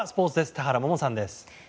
田原萌々さんです。